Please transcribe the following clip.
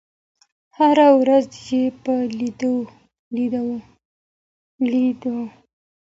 هره ورځ یې په لېدلو